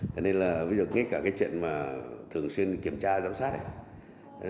thế nên là bây giờ ngay cả cái chuyện mà thường xuyên kiểm tra giám sát này